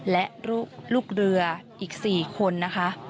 และลูกเรืออีก๔คน